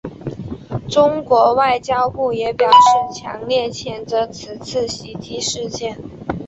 中国外交部也表示强烈谴责此次袭击事件。